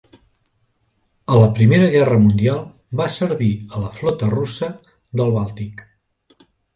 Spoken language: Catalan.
A la Primera Guerra Mundial, va servir a la flota russa del Bàltic.